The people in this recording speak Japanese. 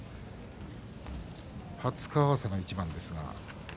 初顔合わせの一番です。